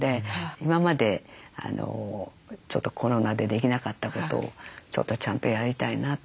今までちょっとコロナでできなかったことをちょっとちゃんとやりたいなと。